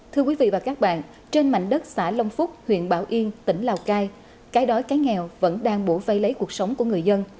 thưa quý vị và các bạn trên mảnh đất xã long phúc huyện bảo yên tỉnh lào cai cái đói cái nghèo vẫn đang bổ vây lấy cuộc sống của người dân